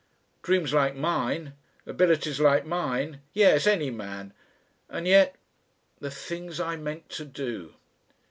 "Dreams like mine abilities like mine. Yes any man! And yet ... The things I meant to do!"